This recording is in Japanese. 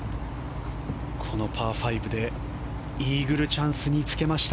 このパー５でイーグルチャンスにつけました